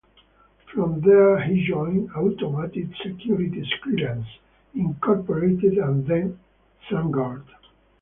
From there he joined Automated Securities Clearance, Incorporated and then Sunguard.